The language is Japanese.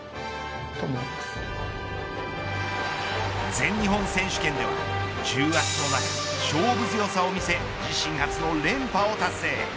全日本選手権では重圧の中、勝負強さを見せ自身初の連覇を達成。